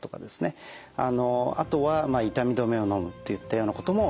あとは痛み止めをのむといったようなことも大切になると思います。